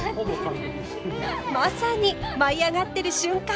まさに舞いあがってる瞬間！